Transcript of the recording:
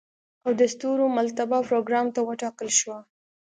او د ستورملتابه پروګرام ته وټاکل شوه.